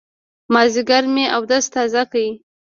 مازيګر مې اودس تازه کړ.